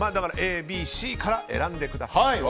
Ａ、Ｂ、Ｃから選んでください。